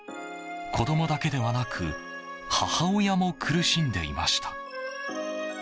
子供だけではなく母親も苦しんでいました。